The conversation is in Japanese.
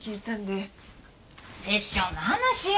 殺生な話よ。